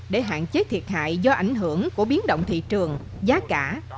để hạn chế thiệt hại do ảnh hưởng của biến động thị trường giá cả